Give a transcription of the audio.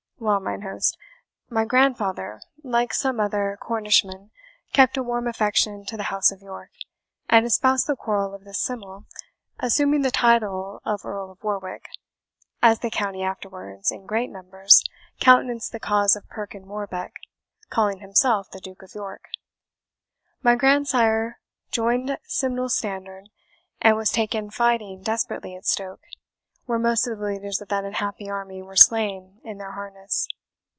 "Well, mine host, my grandfather, like some other Cornishmen, kept a warm affection to the House of York, and espoused the quarrel of this Simnel, assuming the title of Earl of Warwick, as the county afterwards, in great numbers, countenanced the cause of Perkin Warbeck, calling himself the Duke of York. My grandsire joined Simnel's standard, and was taken fighting desperately at Stoke, where most of the leaders of that unhappy army were slain in their harness.